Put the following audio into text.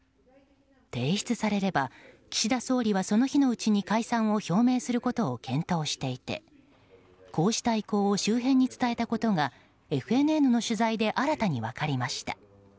提出されれば、岸田総理はその日のうちに解散を表明することを検討していて、こうした意向を周辺に伝えたことがＦＮＮの取材で新たに分かりました。